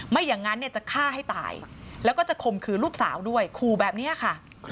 ไม่อย่างนั้นเนี่ยจะฆ่าให้ตายแล้วก็จะข่มขืนลูกสาวด้วยขู่แบบนี้ค่ะ